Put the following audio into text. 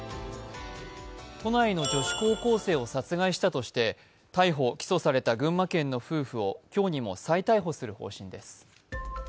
都内の女子高校生を殺害したとして逮捕・起訴された群馬県の夫婦を今日にも再逮捕する方針です。